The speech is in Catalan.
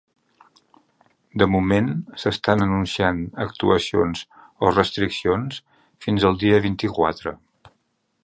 De moment s’estan anunciant actuacions o restriccions fins el dia vint-i-quatre.